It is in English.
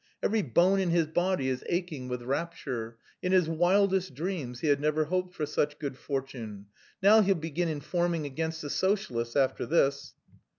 Every bone in his body is aching with rapture; in his wildest dreams he had never hoped for such good fortune. Now he'll begin informing against the Socialists after this!"